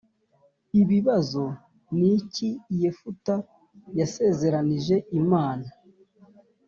ibibazo ni iki yefuta yasezeranyije imana